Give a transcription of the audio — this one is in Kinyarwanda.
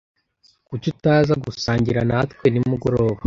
Kuki utaza gusangira natwe nimugoroba?